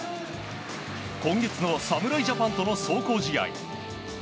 今月の侍ジャパンとの壮行試合